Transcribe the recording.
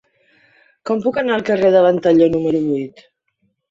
Com puc anar al carrer de Ventalló número vuit?